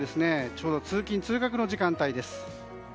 ちょうど通勤・通学の時間帯です。